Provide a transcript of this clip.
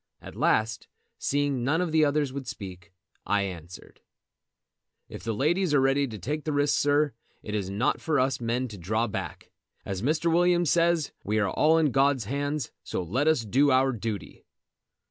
At last, seeing none of the others would speak, I answered: "If the ladies are ready to take the risk, sir, it is not for us men to draw back. As Mr. Williams says, we are all in God's hands, so let us do our duty."